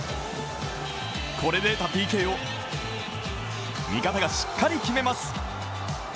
これで得たＰＫを、味方がしっかり決めます。